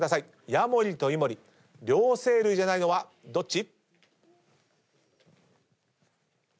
「ヤモリとイモリ両生類じゃないのはどっち？」